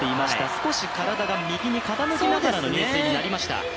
少し体が右に傾きながらの入水になりました。